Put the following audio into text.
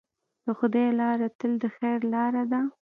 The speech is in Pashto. د خدای لاره تل د خیر لاره ده.